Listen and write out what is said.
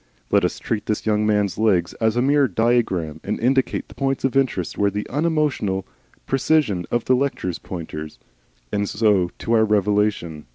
Let us treat this young man's legs as a mere diagram, and indicate the points of interest with the unemotional precision of a lecturer's pointer. And so to our revelation.